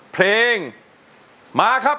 เพลงมาครับ